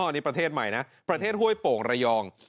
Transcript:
นี่ประเทศใหม่นะประเทศห้วยโป่งระยอง